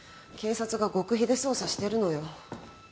警察が極秘で捜査してるのよ。